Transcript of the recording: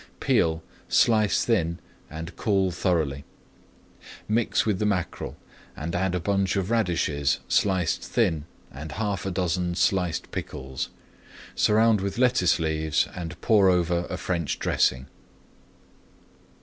Peel, slice thin, and cool thoroughly. Mix with the mackerel, add a small bunch of radishes sliced thin, and half a dozen sliced pickles. Surround with lettuce leaves and pour over a French dressing.